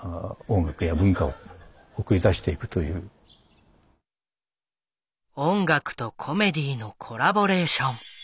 ですから音楽とコメディーのコラボレーション。